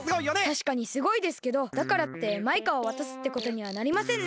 たしかにすごいですけどだからってマイカをわたすってことにはなりませんね。